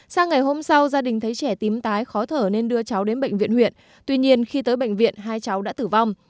sang ngày hôm sau gia đình thấy trẻ tím tái khó thở nên đưa cháu đến bệnh viện huyện tuy nhiên khi tới bệnh viện hai cháu đã tử vong